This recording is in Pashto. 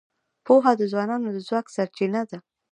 پوهه د ځوانانو د ځواک سرچینه ده.